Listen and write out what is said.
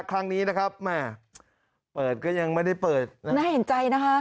ครั้งนี้นะครับแม่เปิดก็ยังไม่ได้เปิดน่าเห็นใจนะคะ